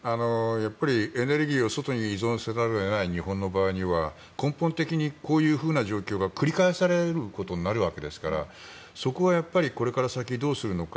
エネルギーを外に依存せざるを得ない日本の場合には根本的にこういう状況が繰り返されることになるわけですからそこはやっぱりこれから先どうするのか。